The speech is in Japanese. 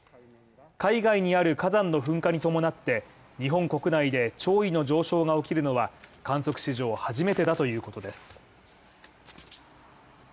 海外にある火山の噴火に伴って、日本国内で潮位の上昇が起きるのは観測史上初めてだということです。